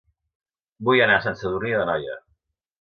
Vull anar a Sant Sadurní d'Anoia